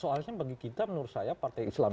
soalnya bagi kita menurut saya partai islam